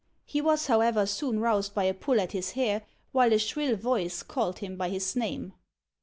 He was, however, soon roused by a pull at his hair, while a shrill voice called him by his name.